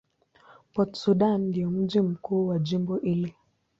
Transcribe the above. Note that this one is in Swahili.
Port Sudan ndio mji mkuu wa jimbo hili.